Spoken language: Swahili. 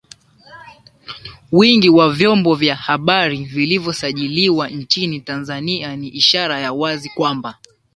wingi wa vyombo vya habari vilivyosajiliwa nchini Tanzania ni ishara ya wazi kwamba